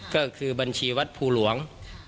ก็คือบัญชีวัดภูหลวง